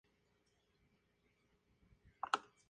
News Weekend" en la ahora difunta E!